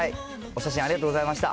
お写真ありがとうございました。